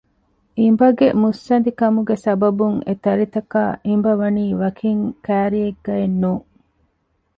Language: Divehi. އިނބަގެ މުއްސަނދި ކަމުގެ ސަބަބުން އެތަރިތަކާ އިނބަވަނީ ވަކިން ކައިރިއެއްގައެއް ނޫން